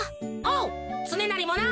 おうつねなりもな。